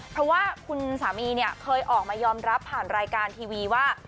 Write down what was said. เพราะว่าคุณสามีเนี่ยเคยออกมายอมรับผ่านรายการทีวีว่า